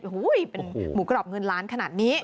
หูยยหมูกรอบเงินล้านขนาดนี้